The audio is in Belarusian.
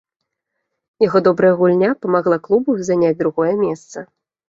Яго добрая гульня дапамагла клубу заняць другое месца.